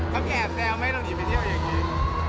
ถ้ามันแอบแซวไม่ต้องหนีไปเที่ยวอย่างนี้